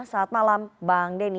saat malam bang denny